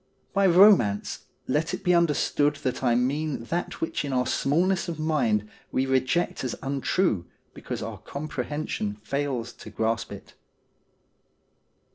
By romance, let it be understood that I mean that which in our smallness of mind we reject as untrue because our comprehension fails to grasp it.